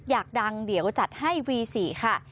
อยากดังเดี๋ยวจัดให้วี๔ค่ะ